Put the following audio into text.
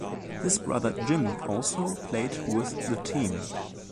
His brother Jimmy also played with the team.